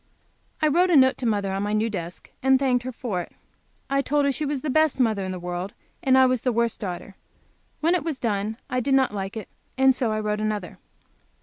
I wrote a note to mother on my new desk, and thanked her for it I told her she was the best mother in the world, and that I was the worst daughter. When it was done I did not like it, and so I wrote another.